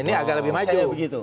ini agak lebih maju